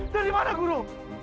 dari mana guru